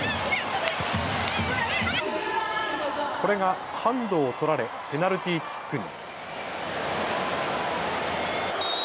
これがハンドを取られペナルティーキックに。